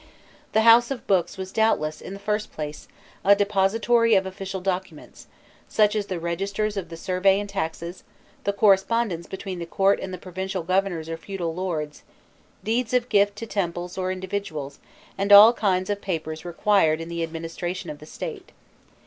The "House of Books" was doubtless, in the first place, a depository of official documents, such as the registers of the survey and taxes, the correspondence between the court and the provincial governors or feudal lords, deeds of gift to temples or individuals, and all kinds of papers required in the administration of the State.